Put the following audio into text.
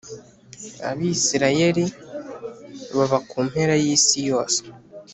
Abisirayeli baba ku mpera y ‘isi yose.